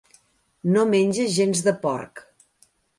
No menja gens de porc.